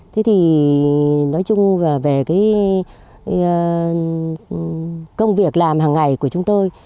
thế thì nói chung về công việc làm hằng ngày của chúng tôi